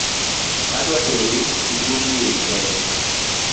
Adwa teri sikund nyiri kende